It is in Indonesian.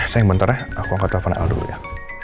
sayang bentarnya aku angkat teleponnya al dulu ya